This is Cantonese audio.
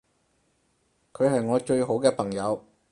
佢係我最好嘅朋友